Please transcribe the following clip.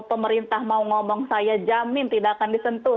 pemerintah mau ngomong saya jamin tidak akan disentuh